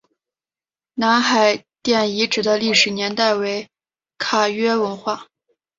南海殿遗址的历史年代为卡约文化。